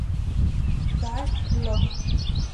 Dark Globe